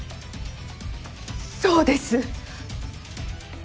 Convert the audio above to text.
そうです。